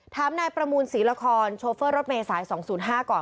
ถามนายประมูลศรีละครโชเฟอร์รถเมษาย๒๐๕ก่อน